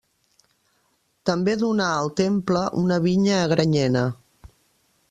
També donà al Temple una vinya a Granyena.